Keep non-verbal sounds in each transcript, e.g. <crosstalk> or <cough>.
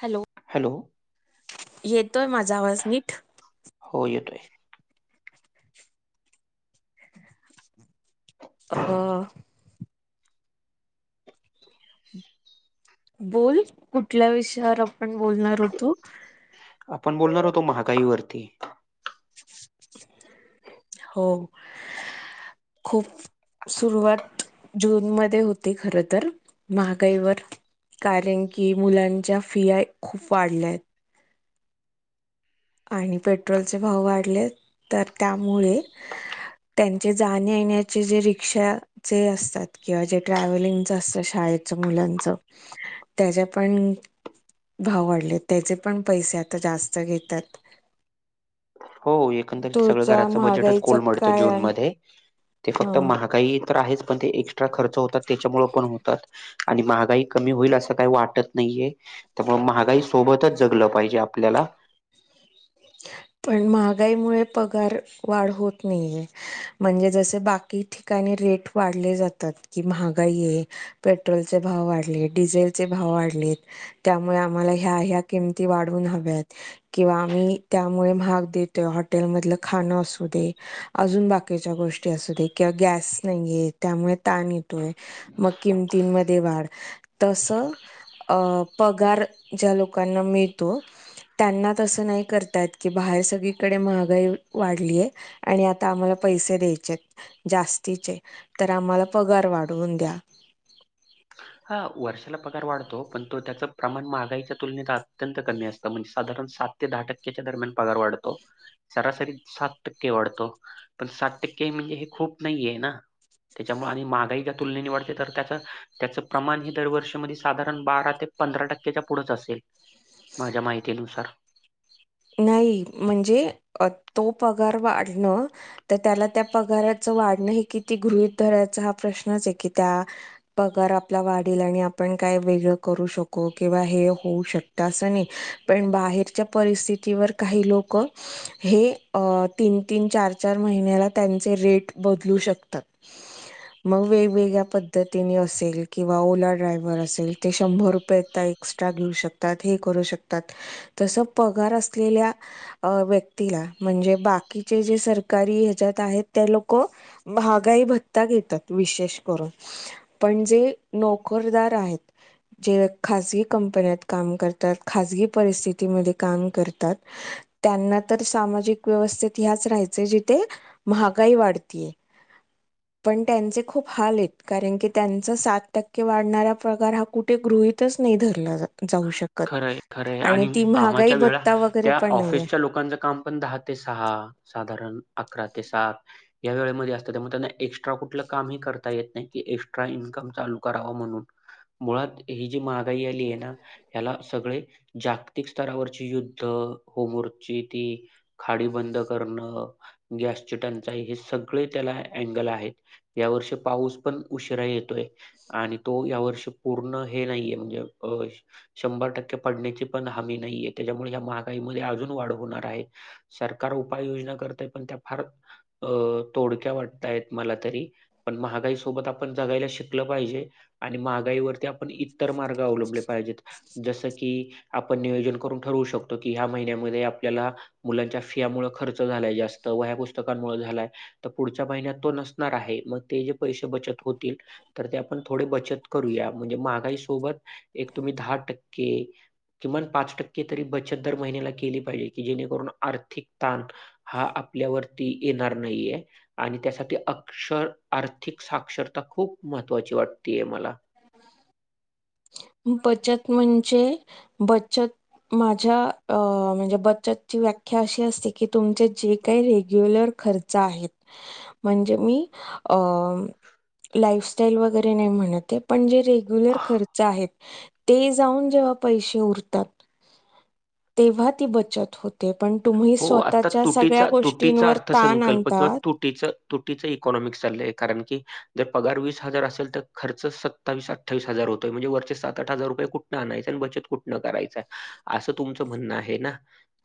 Hello hello. येतोय माझ्या आवाज नीट. हो येतोय. अ बोल कुठल्या विषयावर. बोलणार होतो आपण बोलणार होतो महागाईवरती. हो, खूपं सुरुवात जूनमध्ये होते खरं तरं महागाईवर. कारण की मुलांच्या फिया खूप वाढल्या आहेत. आणि पेट्रोलचे भाव वाढले तर त्यामुळे, त्यांचे जाणी येण्याचे जे रिक्षाचे असतात किंवा जे ट्रॅव्हलिंग असतं शाळे- मुलांच त्याच पण. भाव वाढले त्याचे पण पैसे आता जास्त घेतात. हो एकंदरीत सगळं तोचा घराचं बजेटच महागाईचा कोलमडतं काय जून आणि मध्ये ते हा फक्त महागई. तर आहेच पण ते एक्स्ट्रा खर्च होतात त्याच्यामुळे पण होतात. आणि महागाई कमी होईल असं काही वाटत नाहीये त्यामुळे महागाई सोबतच जगलं पाहिजे आपल्याला. <inaudible> पण महागाईमुळे पगार वाढ होत नाहीये म्हणजे जसे बाकी ठिका- रेट वाढले जातात की महागाई आहे पेट्रोलचे भाव वाढले डिझेलचे भाव, वाढलेत त्यामुळे आम्हाला ह ह्या किंमती वाढून हव्यात किंवा आम्ही, त्यामुळे महाग देतो हॉटेल मधलं खाणं असू दे अजून बाकीच्या गोष्टी असू दे. गॅस नाही त्यामुळे ताण येतोय मग किमतीमध्ये वाढ तसं. अ पगार ज्या लोकांना मिळतो त्यांना तसं नाही कर- बाहेर सगळीकडे महागाई वाढली आहे आणि आता आम्हांला पैसे द्यायचेत. जास्तीचे तर आम्हाला पागार वाढवून द्या. हां, वर्षाला पगार वाढतो, तो पण तो त्याचं प्रमाण महागईच्या तुलनेत अत्यंत कमी असतं म्हणजे साधारण सात ते दहा टक्क्याच्या. दरम्यान पगार वाढतो. सरासरी सात टक्के वाढतो पण सात टक्के म्हणजे हे खूप नाही आहे ना. त्याच्यामुळे आणि महागाई च्या तुलनेने वाढते तर त्याच त्याचं- प्रमाण हे दरवर्षी मध्ये साधारणं बारा ते पंधरा टक्क्याच्या पुढेच असेल. माझ्या माहितीनुसार. नाही म्हणजे तो पगार वाढणं तर त्याला त्या पगाराच - वाढण किती गृहीत धरायचं हा प्रश्नच आहे की त्या पगार आपला वाढेल आणि आपण - काय वेगळ करू शकू किंवा हे होऊ शकत असं नाही पण बाहेरच्या परिस्थितीत. काही लोक हे तीन तीन चार चार महिन्याला त्यांचे रेट. बदलू शकतात. मग वेगवेगळ्या पद्धतीने असेल किंवा ओला ड्रायव्हर असेल ते शंभर रुपये. ्रा घेऊ शकतात करू शकत तस पगार असलेल्या व्यक्तीला म्हणजे बाकीचे जे सरकारी ह्याच्यात आहेत त्या लोक महागाई भत्ता घेतात विशेष करून पण जे नोकरदार आहे जे खाजगी कंपन्यात काम करतात खजगी परिथिती काम कर त्यांना तर सामाजिक व्यवस्थेत ह्याच राहायचे जिथे महागाई वाढते पण त्यांचे खूप हाल आहेत कारण की त्यांचा सात टक्के वाढणारा पगार हा कुठे ग गृहीतच नाही धरला जाऊ शकत खरंय, खरंय आणि ती महागाई कामाच्या वेळा वगैरे त्या पण नाही ऑफिसच्या लोकांच काम पण दहा ते सहा साधारण अकरा ते सात या वेळेमध्ये असतात त्यामुळे त्यांना एक्स्ट्रा कुठलं कामही करता येत नाही, की एक्स्ट्रा इन्कम चालू करा म्हणून मुळात ही जी महागाई आली आहे ना! ह्याला सगळे जागतिक स्तरावरची युद्ध, होमरची ती, खाडी बंद, गैसची टंचाई हे सगळे त्याला अँगल आहेत यावर्षी पाऊस. पण उशिरा येतोय आणि तो या वर्ष पूर्ण हे नाहीये म्हणजे अ शंभर टक्के पडण्याची पण हमी नाहीये त्याच्यामुळे या महागाईमध्ये अजून वाढ होणार आहे. सरकार <unintelligible> कर पण त्या फ तोड्या वाटय मला तरी पण महागाई खूप सोबत आपण जगायला शिकल पाहिजे आणि महागाईवरती आपण इतर मार्ग अवलंबले पाहिजेत. जसं की आपण नियोजन करून ठरवू शकतो की ह्या महिन्यामध्ये आपल्याला मुलांच्या फियामुळे खर्च झालाय जास्त व्या पुस्तकमुळे झालाय तर पुढच्या महिन्यात तो नसणार आहे मग ते जे पै बचत होते तर आपण थो बत करूया म्हणजे मगाई सोबत एक तुम्ही दहा टक्के. क किमान पाच टक्के तरी बचत दर महिन्याला केली पाहिजे की जेणेकरून आर्थिक ताण हा, आपल्यावरती येणार नाहीये आणि त्यासाठी अक्षर आर्थिक साक्षरता खूप महत्त्वाची वाटते आहे मला बचत म्हणजे बचत. माझ्या, म्हणजे बचतची व्याख्या अशी असते की तुमचे जे काही रेग्युलर खर्च आहेत म्हणजे मी अ लाईफस्टाईल वगैरे नाही म्हणतहे. पण जे रेग्युलर खर्च आहेत, ते जाऊन जेव्हा पैसे उरतात. तेव्हा ती बचत होते. पण तुम्ही हो, आता स्वतःच्या सगळ्या तुटीचा तुटीचा गोष्टींवर ताण आणता. तुटीच इकॉनॉमिक् चालय कारण की जर पगार वीस हजार असेल तर खर्च सत्तावीस अठ्ठावीस हजार, म्हजे वरचे सात आठ हजार रुपये कुठं आणायच आणि बचत कुठन कयं असं तुमचं म्हणणं आहे ना?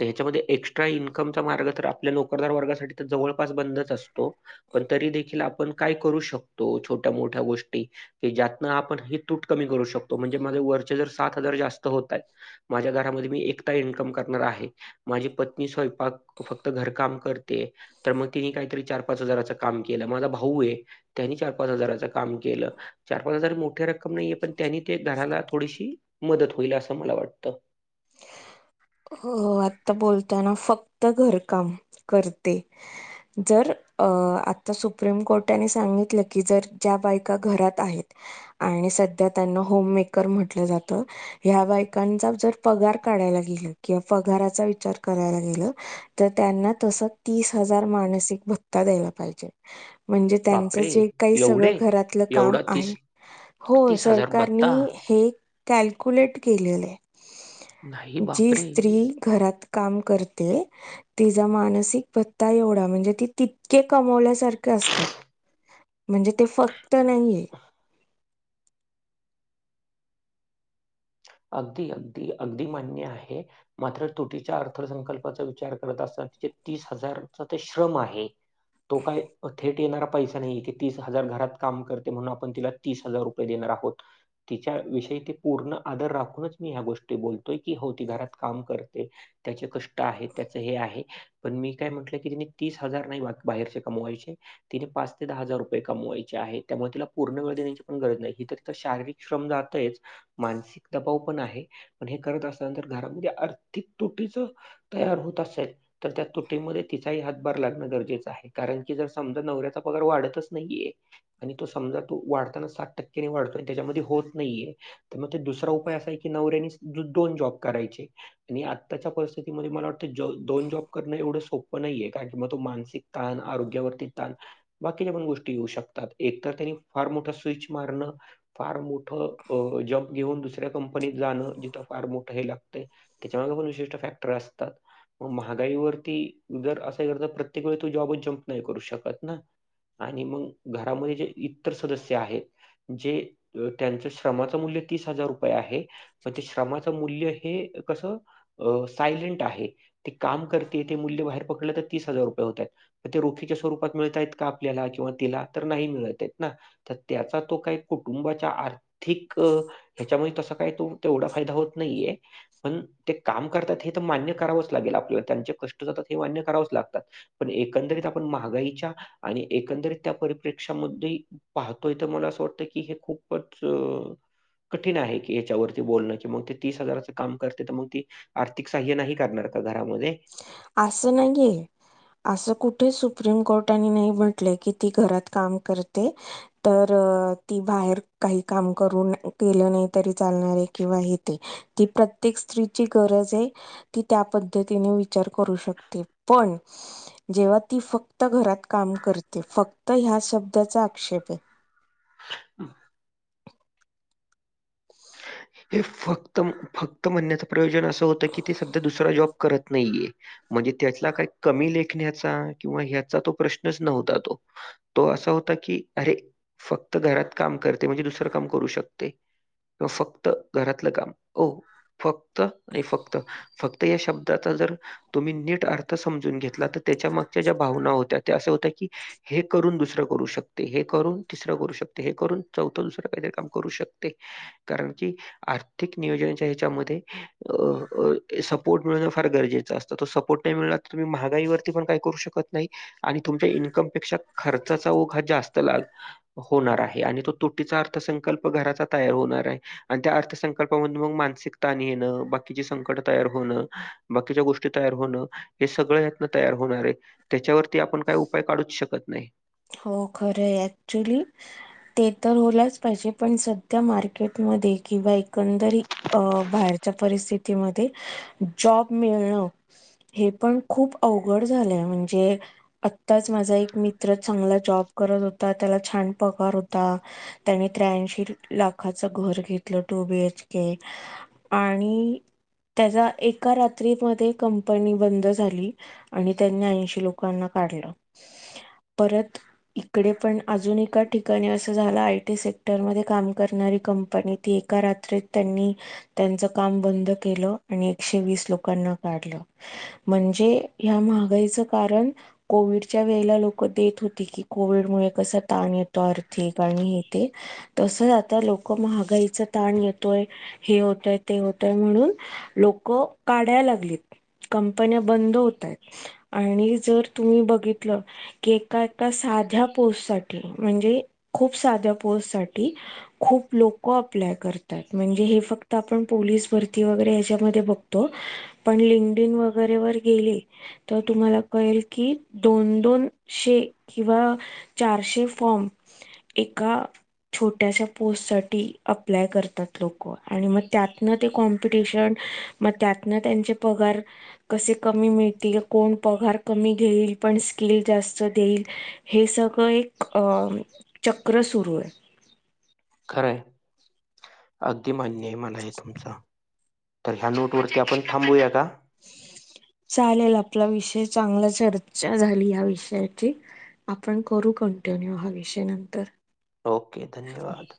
तर ह्याच्यामध्ये एक् एक्स्ट्रा इन्कम चा मार्ग आपल्या नोकरदार वर्गा जवळपास बंदच असतो, पण तरी देखील आपण काय करु शकतो छोट्या मोठ्या गोष्टी ज्यातन आपण तूट क करू शकतो म्हणजे मा तुमचे जर सात हजार जास्त होत आहेत माझ्या घरामध्ये मी एकटा इन्कम करणार आहे माझी ती स्वयंपाक फक्त घर काम करते, तर मग तिने काहीत चार पाच हजार काम केला माझा भाऊ चार पाच हजारच काम केलं चार पाच हजारच मोठ्या रक्कम नाहीे पण त्यांनी ते घराला थोडीशी मदत होईल अस मला वाटत. हो आता बोलताना फक्त घरकाम करते, जर अ आता सुप्रीम कोर्टाने सांगितलं की जर ज्या बायका घरात आहेत आणि आणि सध्या त्यांना होम मेकर म्हटलं जात ह्या बायकांचा जर पगार काढायला गेल. किंवा पगाराचा विचार करायला गेलं तर त्यांना तस तीस हजार मानसिक भत्ता द्यायला पाहिजे. म्हणजे त्यांचं बापरे! जे काही एवढे? सगळं घरातलं काम एवढा आहे, हो भत्ता? सरकारनी हे कॅल्कुलेट केलेलं आहे. नाही जी बापरे! स्त्री घरात काम करते तिचा मानसिक भत्ता एवढा म्हणजे ते कमावल्यासारख म्हणजे ते फक्त नाहीये. अगदी अगदी अगदी मान्य आहे मात्र तूटीच्या अर्थसंकल्पाचा विचार करत असाल तर ते तीस हजारच ते श्रम आहे. तो काय थेट येणारा पैसा नाही, की तीस हजार घरात काम करते म्हणून आपण तिला तीस हजार रुपये देणार. आहोत तिच्या विषयी ती पूर्ण आदर राखूनच मी ह्या गोष्टी बोलतोय की हो ती घरात काम करते त्याचे कष् ट आहे त्याच हे आहे पण मी काय म्हटलं की तिनी तीस हजार नाही बाहेरचे कमवायचे तिने पाच ते दहा हजार रुपये कमवायचे आ आहे त्यामुळे तिला पूर्णळ देण्याची पण गरज नाही इथ तीच शारीरीक श्रम जातयच मानसिक दबाव पण आहे पण हे करत असल्यानंतर घरामध्ये आर्थिक तुटीज तयार होत असेल तर त्या तुटीमध्ये तिचाही हातभार लागणं गरजेचं आहे कारण की जर समजा नवऱ्याचा पगार वाढतच नाहीये आणि तो समजा तो वाढताना सात टक्क्याने वाढतोय त्याच्यामध्ये होत नाहीये तर मग ते दुस रा उपाय असा आहे की नवऱ्यानी दोन जॉब करायचे आणि आताच्या परिस्थितीमधे मला वाटतं ते दोन जॉब करं एवढं सोप नाहीये कारण की मग तो मानसिक ताण आरोग्यावरती ताण बाकीच्या पण गोष्टी येऊ शकतात एक तर त्यानी फार मोठा स्विच मारणं फार मोठ जॉब घेऊन दुसऱ्या कंनीत जाणं जिथं फार मोठं हे लागतय त्याच्यामाग पण विशिष्ट फॅक्टर असतात. व महागाईवरती जर असं करता प्रत्येक वेळी तो जॉबच जम्प नाही करू शकत ना. आणि मग घरामध्ये जे इतर सदस्य आहेत जे त्यांच श्रमाच मूल्य तीसजार रु रुपये आहे म ते श्रमाच मूल्य हे कसं अ सायलेंट आहे ते काम करते ते मूल्य बाहेर पकडल तर तीस हजार रुपये होतायत ते रोखीच्या स्वरूपात मिळतायेत का आपल्याला किंवा तिला. तर नाही मिळत आहेत ना तर त्याचा तो काही कुटुंबाच्या आर्थिक ह्याच्यामुळे तसं काय तो तेवढा फायदा होत नाहीये पण ते काम करतात हे तर मान्य करावंच लागेल आप आपल्याला त्यांचे कष्ट जातात हे मान्य करावच लागतात पण एकंदरीत आपण महागाईच्या आणि एकंदरीत त्या परिप्रेक्षामध्ये पाहतोय तर मला असं वाटतं की हे खूपच कठीण आहे की याच्यावरती बोलणं कि मग ते तीस हजारचं काम करते तर मग ती आर्थिक सहाय्य नाही करणार का घरा अस नाहीेये असं कुठे सु सुप्रीम कोर्टाने नाही म्हटलय की ती घरात काम करते तर ती बाहेर काही काम करून केलं नाही तरी चालणारे किंवा हे ते ती प्रत्येक स्त्रीची गरज गरज आहे ती त्या पद्धत तिनी विचार करू शकते पण जेव्हा ती फक्त घरात काम करते फक् त ह्या शब्दाचा आक्षेप आहे. <unintelligible> हे फक्त फक्त म्हणण्याच प्रयोजन अस होतं की ती सध्या दुसरा जॉब करत नाहीये. म्हणजे त्यातला काही कमी लेखण्याचा किंवा ह्याचा तो प्रश्नच नव्हता तो तो असा होत ता की अरे फक्त घरात काम करते म्हणजे दुसरं काम करू शकते अ फक् त घरातलं काम हो फक्त आणि फक्त फक्त या शब्द त्याचा जर तुम्ही नीट अर्थ समजून घेतला तर त्याच्या मागच्या ज्या भावना होत्या त्या असे होत्या की हे करून दुसरं करू शकते हे करून तिसरं करू शकते हे करून चौथं दुसरं काहीतरी काम करू शकते. कारण की आर्थिक नियोजनाच्या ह्याच्यामध्ये अ सपोर्ट मिळणं फार गरजेचं असतं. तो सपोर्ट नाही मिळला तर तुम्ही महागाईवरती पण काही करू शकत नाही आणि तुमच्या इन्कमपेक्षा खर्चाचा ओघ हा जास्त ला होणार आहे आणि तो तुटीचा अर्थसंकल्प घराचा तयार होणार आहे. आणि त्या अर्थसंकल्पामध्ये मग मानसिक ताण येणं बाकीची संकट तयार होणं बाकीच्या गोष्टी तयार होण हे सगळ यातन तयार होणार आहे त्याच्यावरती आपण काय उपाय काढूच शकत नाही. हो खरंए ऍक्चुली ते तर होलाच पाहिजे पण सध्या मार्केटमध् ध्ये वा एकंदरीत अ बाहेच्या परिस्थितीमध्ये जॉब मिळणं हे पण खूप अवघड झालंय म्हणजे आताच माझा एक मित्र चांगला जॉब करत होता, त्याला छान पगार होता, त्यानी त्र्याऐंशी लाखाचा घर घर घेतलं टू बी एच के आणि त्याचा एका रात्री मध्ये कंपनी बंद झाली आणि त्यांनी ऐंशी लोकांना काढलं परत इकडे पण अजून एका ठिकाणी असं झालं, आयटी सेक्टरमध्ये काम करणारी कंपनी पण ती एका रात्रीत त्यांनी त्यांच काम बंद केलं आणि एकशेवीस लोकांना. काढलं म्हणजे ह्या महागाईच कारण कोविडच्या वेळला लोकं देत होती की, कोविडमुळे कसा ताण येतो अर्थिक आणि हे ते, तसंच आता लोक महागाईच ताण येतोय, हे होतय, ते होतय म्हणून लोक काड्या लागलीत, कंपन्या बंद होताय आणि जर तुम्ही बघितलं. की एका एका साध्या पोस्टसाठी, म्हणजे खूप साध्या पोस्ट साठी, खूप लोक अप्लाय करताय, म्हणजे हे फक्त आपण पोलीस भरती वगैरे याच्यामध्ये बघतो. पण लिंक्डइन वगैरे वर गेली तर तुम्हाला कळेल की दोन दोन शे किंवा चारशे फॉर्म, एका छोट्याश्या पोस्टसाठी अप्लाय करतात लोक आणि मग त्यातनं ते कॉम्पिटिशन. मग त्यातन त्यांचे पगार कसे कमी मितील? कोण पगार कमी घेईल. पण स्किल जास्त देईल हे सगळं एक चक्र सुरू ए. खरय अगदी मान्य आहे, मला आहे तुमचं. तर ह्या नोटवरती आपण थांबूया का? चालेल आपला विषय चांगला चर्चा झाली या विषयाची. आपण करू कंटिन्यू हा विषय नंतर. ओके, धन्यवाद.